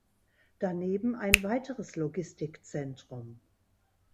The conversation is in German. Daneben ein weiteres Logistikzentrum.